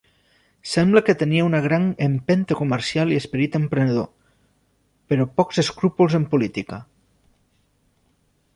Sembla que tenia una gran empenta comercial i esperit emprenedor, però pocs escrúpols en política.